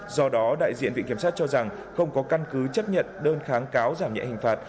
do đó đại diện viện kiểm sát cho rằng không có căn cứ chấp nhận đơn kháng cáo giảm nhẹ hình phạt